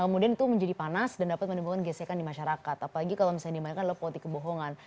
kemudian itu menjadi panas dan dapat menimbulkan gesekan di masyarakat apalagi kalau misalnya dimainkan adalah politik kebohongan